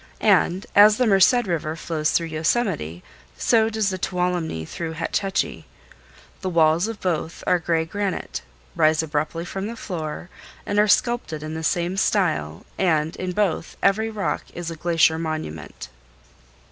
And as the Merced River flows through Yosemite, so does the Tuolumne through Hetch Hetchy. The walls of both are of gray granite, rise abruptly from the floor, are sculptured in the same style and in both every rock is a glacier monument.